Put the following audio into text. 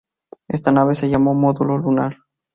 Esta nave se llamó módulo lunar.